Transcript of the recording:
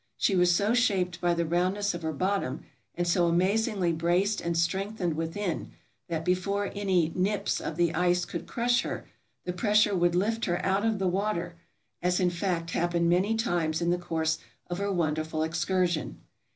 She was so shaped by the roundness of her bottom, and so amazingly braced and strengthened within, that before any "nips" of the ice could crush her, the pressure would lift her out of water — as, in fact, happened many times in the course of her wonderful excursion.